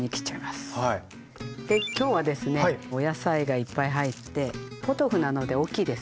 今日はですねお野菜がいっぱい入ってポトフなので大きいです。